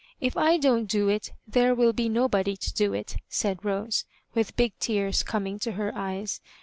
If I don't do it, there will be nobody to do it," said Rose, with big tears coming to her eyes.